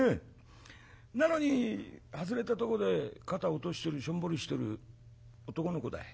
なのに外れたとこで肩落としてるしょんぼりしてる男の子だい。